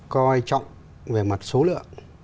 coi trọng về mặt số lượng